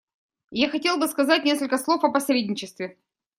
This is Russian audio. Я хотел бы сказать несколько слов о посредничестве.